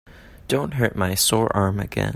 Don't hurt my sore arm again.